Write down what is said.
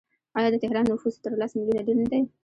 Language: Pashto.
آیا د تهران نفوس تر لس میلیونه ډیر نه دی؟